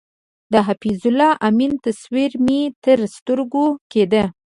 د حفیظ الله امین تصویر مې تر سترګو کېده.